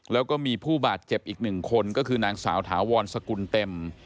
แล้วก็มีผู้บาดเจ็บอีกหนึ่งคนก็คือนางสาวถาวรสกุลเต็ม